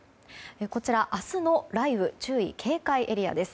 こちら、明日の雷雨注意・警戒エリアです。